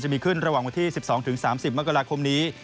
จะมีขึ้นระหว่างวันที่๑๒ถึง๓๐มกนี้